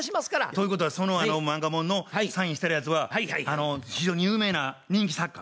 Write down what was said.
ということはその漫画本のサインしてあるやつは非常に有名な人気作家？